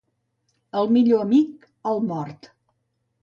El millor amic, el mort.